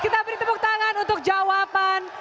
kita beri tepuk tangan untuk jawaban